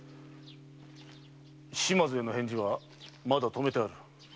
島津への返事はまだ止めてある。